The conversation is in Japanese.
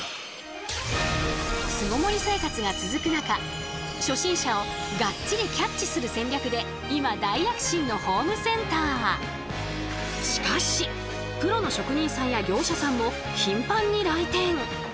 巣ごもり生活が続く中初心者をがっちりキャッチする戦略で今しかしプロの職人さんや業者さんも頻繁に来店。